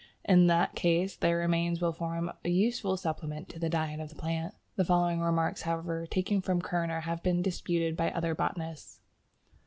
In that case, their remains will form a useful supplement to the diet of the plant. The following remarks, however, taken from Kerner have been disputed by other botanists.